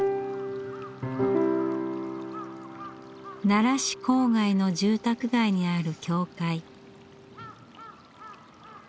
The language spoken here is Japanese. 奈良市郊外の住宅街にある教会。